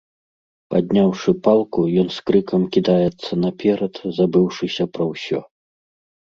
Падняўшы палку, ён з крыкам кідаецца наперад, забыўшыся пра ўсё.